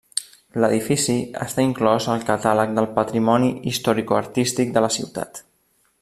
L'edifici està inclòs al catàleg del patrimoni historicoartístic de la ciutat.